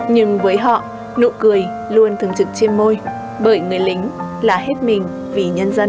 nhưng với họ nụ cười luôn thường trực trên môi bởi người lính là hết mình vì nhân dân